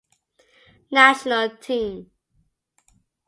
National team